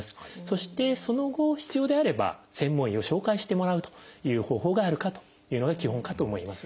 そしてその後必要であれば専門医を紹介してもらうという方法があるかというのが基本かと思います。